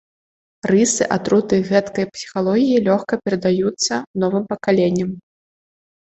Рысы атруты гэткай псіхалогіі лёгка перадаюцца новым пакаленням.